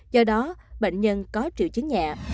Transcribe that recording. do đó bệnh nhân có triệu chứng nhẹ